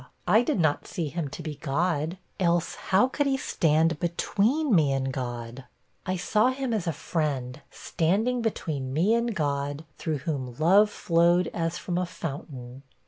I did not see him to be God; else, how could he stand between me and God? I saw him as a friend, standing between me and God, through whom, love flowed as from a fountain.'